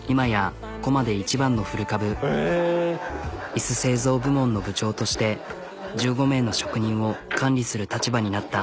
椅子製造部門の部長として１５名の職人を管理する立場になった。